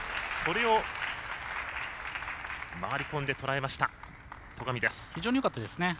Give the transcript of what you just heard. それを回り込んでとらえました戸上です。